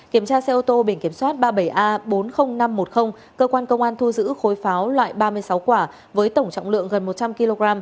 kiểm tra xe ô tô biển kiểm soát ba mươi bảy a bốn mươi nghìn năm trăm một mươi cơ quan công an thu giữ khối pháo loại ba mươi sáu quả với tổng trọng lượng gần một trăm linh kg